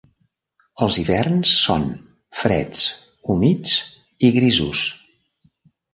Els hiverns són freds, humits i grisos.